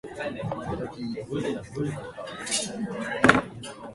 Retinoids have found use in medicine where they regulate epithelial cell growth.